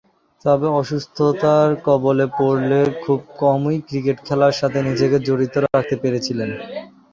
তবে, অসুস্থতার কবলে পড়লে খুব কমই ক্রিকেট খেলার সাথে নিজেকে জড়িত রাখতে পেরেছিলেন।